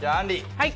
はい。